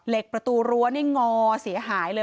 ประตูรั้วนี่งอเสียหายเลย